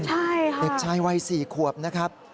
ใช่ค่ะเด็กชายวัย๔ขวบนะครับ